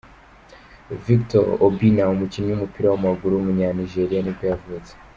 Victor Obinna, umukinnyi w’umupira w’amaguru w’umunya-Nigeriya nibwo yavutse.